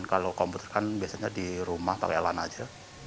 kalau komputer kan biasanya di rumah pakai lan saja